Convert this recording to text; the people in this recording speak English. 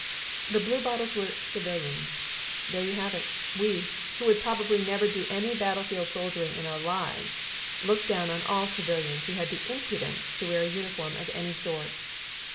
The Bluebottles were "civilians" ... there you have it. We who would probably never do any battlefield soldiering in our lives looked down on all civilians who had the impudence to wear a uniform of any sort.